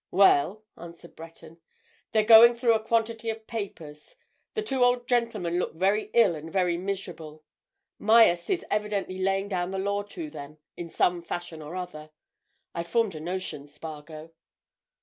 "Well," answered Breton. "They're going through a quantity of papers. The two old gentlemen look very ill and very miserable. Myerst is evidently laying down the law to them in some fashion or other. I've formed a notion, Spargo."